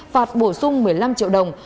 phạt bổ sung một mươi năm triệu đồng